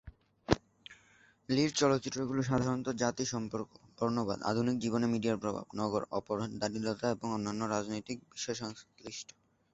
লির চলচ্চিত্রগুলো সাধারণত জাতি সম্পর্ক, বর্ণবাদ, আধুনিক জীবনে মিডিয়ার প্রভাব, নগর অপরাধ, দারিদ্রতা এবং অন্যান্য রাজনৈতিক বিষয় সংশ্লিষ্ট।